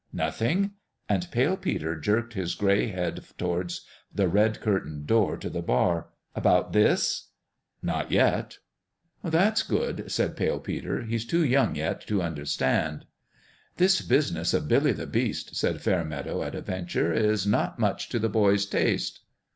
" Nothing " and Pale Peter jerked his gray 134 PALE PETER'S DONALD head towards the red curtained door to the bar " about this ?" 11 Not yet." " That's good," said Pale Peter. " He's too young, yet, to understand." "This business of Billy the Beast," said Fairmeadow, at a venture, " is not much to the boy's taste."